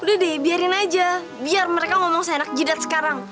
udah deh biarin aja biar mereka ngomong seenak jidat sekarang